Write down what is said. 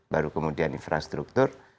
baru kemudian infrastruktur